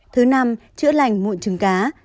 thứ năm chữa lành mụn trứng cá